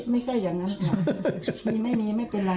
ไม่ใช่อย่างนั้นค่ะมีไม่มีไม่เป็นไร